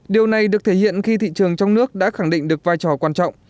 điều này được thể hiện khi thị trường trong nước đã khẳng định được vai trò quan trọng